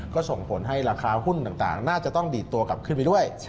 ก็ส่งผลให้ราคาหุ้นต่างน่าจะต้องดีดตัวกลับขึ้นไปด้วย